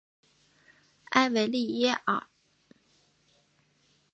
埃维利耶尔。